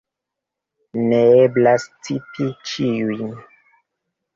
Neeblas citi ĉiujn.